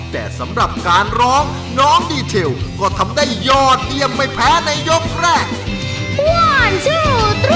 แต่สำหรับการร้องน้องดีเทลก็ทำได้ยอดเยี่ยมไม่แพ้ในยกแรก